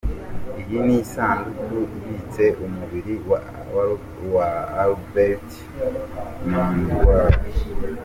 Iyi ni isanduku ibitse umubiri wa Albert Mangwair.